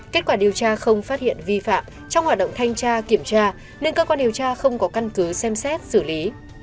kết quả điều tra không phát hiện vi phạm trong hoạt động thanh tra kiểm tra nên cơ quan điều tra không có căn cứ xem xét xử lý